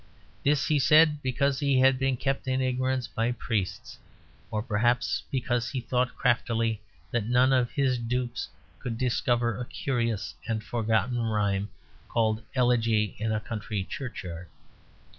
This he said because he had been kept in ignorance by Priests; or, perhaps, because he thought craftily that none of his dupes could discover a curious and forgotten rhyme called 'Elegy in a Country Churchyard'.